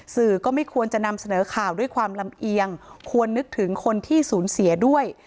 ก็ไม่ควรจะนำเสนอข่าวด้วยความลำเอียงควรนึกถึงคนที่สูญเสียด้วย